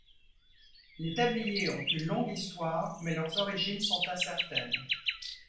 Les tabliers ont une longue histoire mais leurs origines sont incertaines.